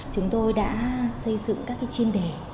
chúng tôi đã xây dựng các chuyên đề